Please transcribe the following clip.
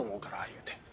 言うて。